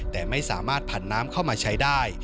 แต่ไม่สามารถผันน้ำเข้ามาใช้ได้